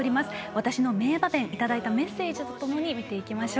私の名場面いただいたメッセージとともに見ていきましょう。